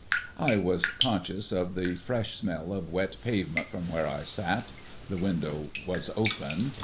I was conscious of the fresh smell of wet pavement from where I sat the window was open.